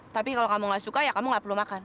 tapi kalau kamu gak suka ya kamu nggak perlu makan